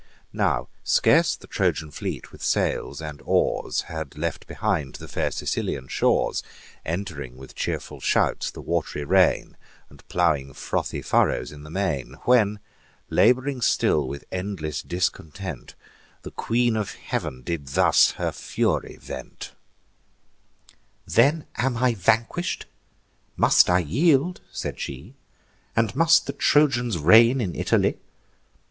Now scarce the Trojan fleet, with sails and oars, Had left behind the fair Sicilian shores, Ent'ring with cheerful shouts the wat'ry reign, And plowing frothy furrows in the main; When, lab'ring still with endless discontent, The Queen of Heav'n did thus her fury vent: "Then am I vanquish'd? must I yield?" said she, "And must the Trojans reign in Italy?